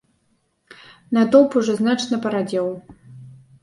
Натоўп ужо значна парадзеў.